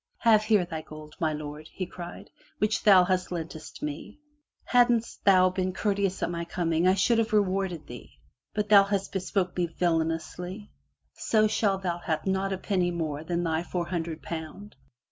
''Have here thy gold, my lord!" he cried, " which that thou lentest me ! Hadst thou been courteous at my coming, I should have rewarded thee. But thou hast bespoke me villainously, so shalt thou have not a penny more but thy four hundred pound.